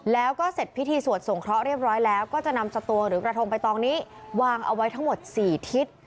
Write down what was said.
แล้วก็เสร็จพิธีสวดสงเคราะห์เรียบร้อยแล้วก็จะนำสตังหรือกระทงใบตองนี้วางเอาไว้ทั้งหมด๔ทิศ